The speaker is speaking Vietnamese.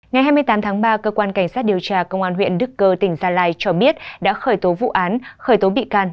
ngày hai mươi tám tháng ba cơ quan cảnh sát điều tra công an huyện đức cơ tỉnh gia lai cho biết đã khởi tố vụ án khởi tố bị can